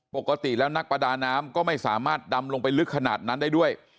ปกติแล้วนักประดาน้ำก็ไม่สามารถดำลงไปลึกขนาดนั้นได้ด้วย